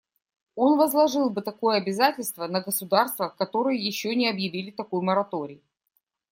Он возложил бы такое обязательство на государства, которые еще не объявили такой мораторий.